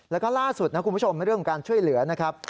แล้วก็ล่าสุดนะคุณผู้ชมเรื่องของการช่วยเหลือนะครับ